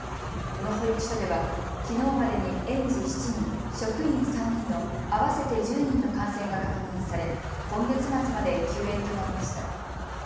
この保育所ではきのうまでに園児７人、職員３人の合わせて１０人の感染が確認され今月末まで休園となりました。